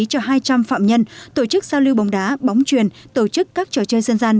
cho hai trăm linh phạm nhân tổ chức giao lưu bóng đá bóng truyền tổ chức các trò chơi dân gian